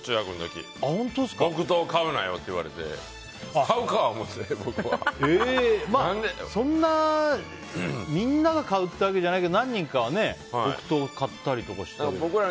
木刀買うなよって言われてそんな、みんなが買うってわけじゃないけど何人かは木刀買ったりとかして。